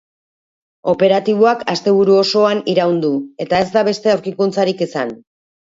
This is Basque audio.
Operatiboak asteburu osoan iraun du, eta ez da beste aurkikuntzarik izan.